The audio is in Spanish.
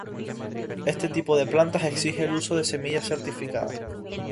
Este tipo de plantas exige el uso de semillas certificadas.